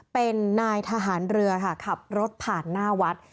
เป็นนายทหารเรือค่ะขับรถผ่านหน้าวัด